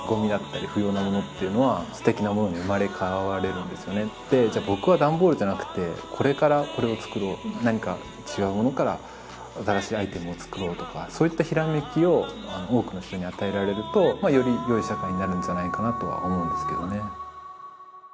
ほんとにでじゃあ僕は段ボールじゃなくてこれからこれを作ろう何か違うものから新しいアイテムを作ろうとかそういったひらめきを多くの人に与えられるとまあよりよい社会になるんじゃないかなとは思うんですけどね。